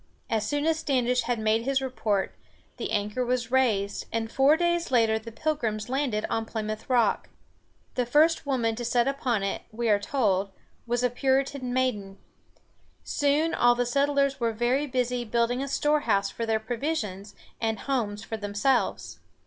As soon as Standish had made his report, the anchor was raised, and four days later the Pilgrims landed on Plymouth Rock. The first woman to set foot upon it, we are told, was a Puritan maiden. Soon all the settlers were very busy building a storehouse for their provisions, and homes for themselves.